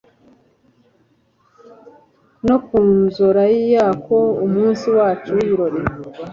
no ku nzora yako, umunsi wacu w'ibirori